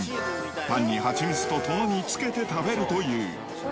パンに蜂蜜とともにつけて食べるという。